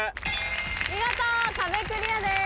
見事壁クリアです。